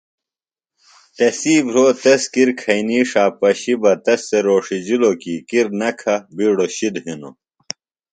تسی بھروۡ تس کِر کھئینی ݜا پشیۡ بہ تس تھےۡ روݜِجِلوۡ کی کِر نہ کھہ بیڈوۡ شِد ہِنوۡ۔